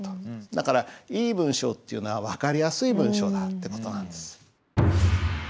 だからいい文章っていうのは分かりやすい文章だって事なんです。